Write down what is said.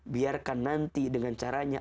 biarkan nanti dengan caranya